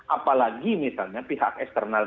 apalagi misalnya pihak eksternal